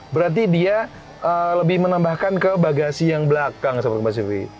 berarti dia lebih menambahkan ke bagasi yang belakang sahabat kompas tv